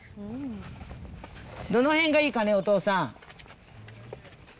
どの辺がいいかね、お父さん。